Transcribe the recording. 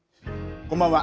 こんばんは。